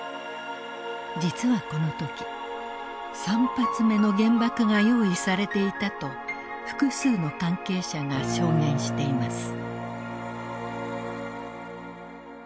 実はこの時３発目の原爆が用意されていたと複数の関係者が証言しています。